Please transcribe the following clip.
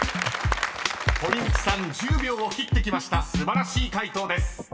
［堀内さん１０秒を切ってきました素晴らしい解答です］